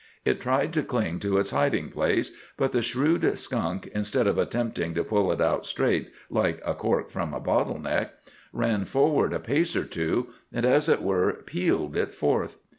It tried to cling to its hiding place; but the shrewd skunk, instead of attempting to pull it out straight, like a cork from a bottle neck, ran forward a pace or two, and, as it were, "peeled" it forth.